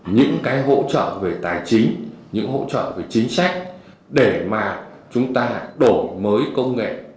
những cái hỗ trợ về tài chính những hỗ trợ về chính sách để mà chúng ta đổi mới công nghệ